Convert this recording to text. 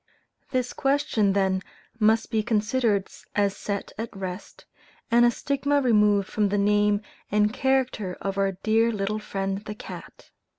This question then must be considered as set at rest, and a stigma removed from the name and character of our dear little friend the cat.